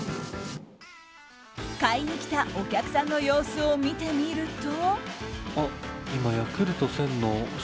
買いに来たお客さんの様子を見てみると。